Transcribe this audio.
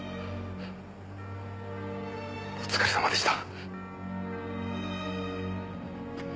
お疲れさまでした。